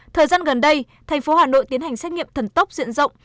thời gian gần đây thành phố hà nội tiến hành xét nghiệm thần tốc diện rộng